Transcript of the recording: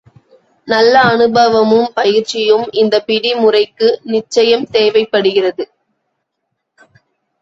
நல்ல அனுபவமும் பயிற்சியும் இந்த பிடி முறைக்கு நிச்சயம் தேவைப் படுகிறது.